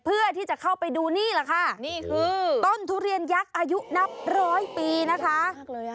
เพื่อที่จะเข้าไปดูนี่แหละค่ะนี่คือต้นทุเรียนยักษ์อายุนับร้อยปีนะคะ